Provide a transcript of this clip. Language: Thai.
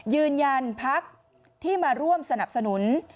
ยืนยันพักที่มาร่วมสนับสนุน